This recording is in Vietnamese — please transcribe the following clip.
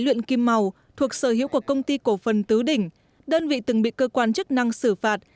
luyện kim màu thuộc sở hữu của công ty cổ phần tứ đỉnh đơn vị từng bị cơ quan chức năng xử phạt